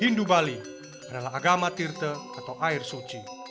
hindu bali adalah agama tirte atau air suci